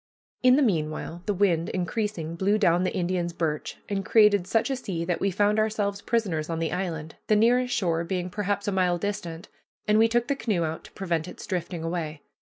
In the meanwhile, the wind, increasing, blew down the Indian's birch and created such a sea that we found ourselves prisoners on the island, the nearest shore being perhaps a mile distant, and we took the canoe out to prevent its drifting away.